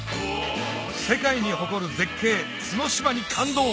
世界に誇る絶景角島に感動！